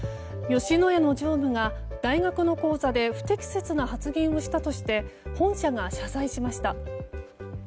吉野家の常務が大学の講座で不適切な発言をしたとして本社が謝罪しました。